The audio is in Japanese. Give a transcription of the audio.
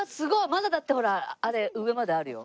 まだだってほらあれ上まであるよ。